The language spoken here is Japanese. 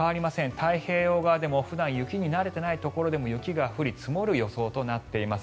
太平洋側でも普段雪に慣れていないところでも雪が降り、積もる予想となっています。